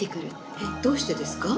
えっどうしてですか？